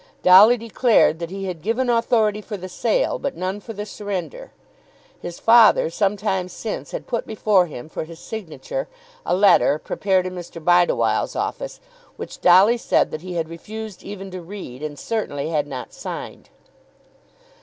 Dolly declared that he had given authority for the sale, but none for the surrender. His father, some time since, had put before him, for his signature, a letter, prepared in Mr. Bideawhile's office, which Dolly said that he had refused even to read, and certainly had not signed.